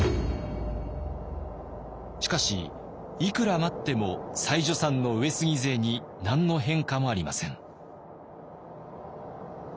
しかしいくら待っても妻女山の上杉勢に何の変化もありません。